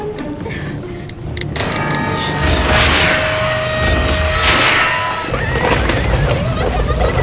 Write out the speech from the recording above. ini memang jangan menemukan kita